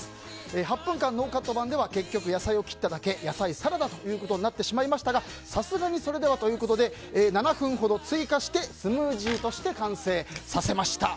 ８分間ノーカット版では結局野菜を切っただけ野菜サラダとなってしまいましたがさすがにそれではということで７分ほど追加してスムージーとして完成させました。